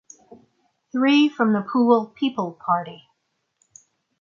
Three from the Poole People Party.